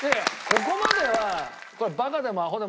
ここまでは。